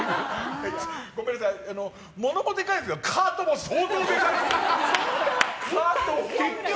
ごめんなさいものもでかいですけどカートも相当でかいんです。